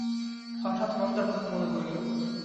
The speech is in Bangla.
হঠাৎ মন্দার কথা মনে পড়িল।